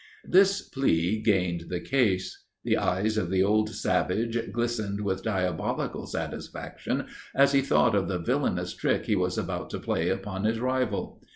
"This plea gained the case; the eyes of the old savage glistened with diabolical satisfaction as he thought of the villainous trick he was about to play upon his rival.